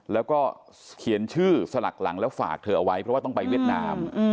แล้วก็เขียนชื่อสลักหลังแล้วฝากเธอเอาไว้เพราะว่าต้องไปเวียดนาม